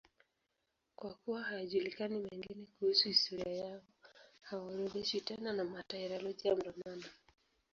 Kwa kuwa hayajulikani mengine kuhusu historia yao, hawaorodheshwi tena na Martyrologium Romanum.